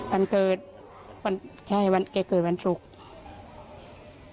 วันเกิดแกเกิดวันศุกร์